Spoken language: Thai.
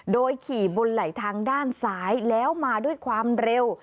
โดยขี่บนไหลทางด้านซ้ายแล้วมาด้วยความเร็ว